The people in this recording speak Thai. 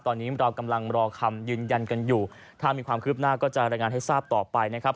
ตอนนี้เรากำลังรอคำยืนยันกันอยู่ถ้ามีความคืบหน้าก็จะรายงานให้ทราบต่อไปนะครับ